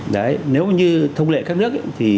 đấy nếu như thông lệ các nước ấy